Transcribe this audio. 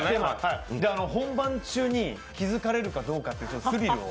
本番中に気付かれるかどうかというスリルを。